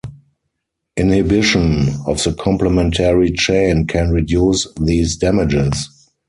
Inhibition of the complementary chain can reduce these damages.